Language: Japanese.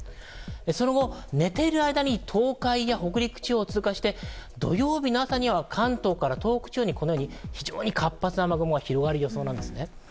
その後、寝ている間に東海や北陸地方を通過して土曜日の朝には関東から東北地方に非常に活発な雨雲が広がる予想です。